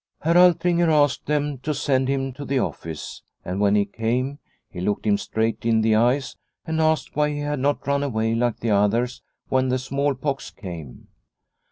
Herr Altringer asked them to send him to the office, and when he came, he looked him straight in the eyes and asked why he had not run away like the others when the smallpox came.